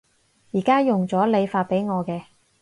而家用咗你發畀我嘅